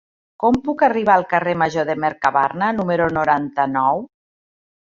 Com puc arribar al carrer Major de Mercabarna número noranta-nou?